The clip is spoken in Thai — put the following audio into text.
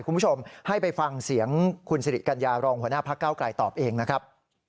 คุณผู้ชมให้ไปฟังเสียงคุณสิริกัญญารองหัวหน้าพักเก้าไกลตอบเองนะครับ